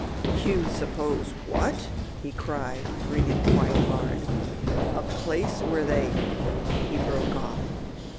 "You suppose what!" he cried, breathing quite hard. "A place where they " he broke off.